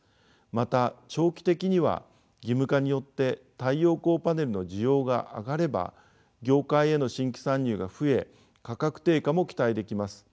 また長期的には義務化によって太陽光パネルの需要が上がれば業界への新規参入が増え価格低下も期待できます。